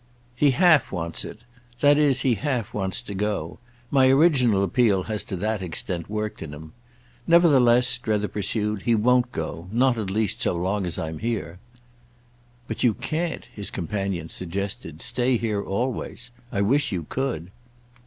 "He half wants it. That is he half wants to go. My original appeal has to that extent worked in him. Nevertheless," Strether pursued, "he won't go. Not, at least, so long as I'm here." "But you can't," his companion suggested, "stay here always. I wish you could."